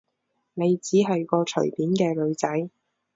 你只係個隨便嘅女仔